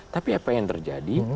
tapi apa yang terjadi